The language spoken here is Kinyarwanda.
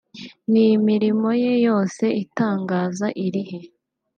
n'imirimo ye yose itangaza irihe